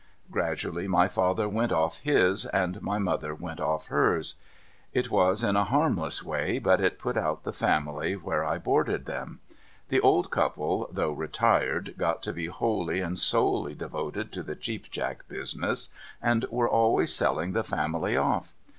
Gradually my father went off his, and my mother went off hers. It was in a harmless way, but it put out the family where I boarded them. The old couple, though retired, got to be wholly and solely devoted to the Cheap Jack business, and were always selling the family off.